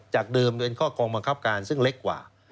จากเดิมเป็นกองบัญชาการซึ่งเล็กกว่า